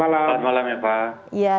selamat malam ya pak